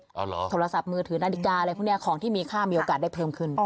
เอาเหรอโทรศัพท์มือถือนาฬิกาอะไรพวกนี้ของที่มีค่ามีโอกาสได้เพิ่มขึ้น